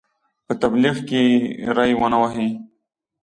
په تبلیغ کې ری ونه وهي.